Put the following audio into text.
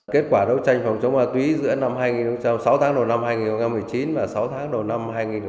kết quả đấu tranh phòng chống ma túy giữa sáu tháng đầu năm hai nghìn một mươi chín và sáu tháng đầu năm hai nghìn một mươi tám